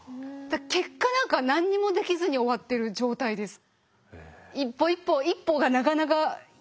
結果何か何にもできずに終わってる状態です。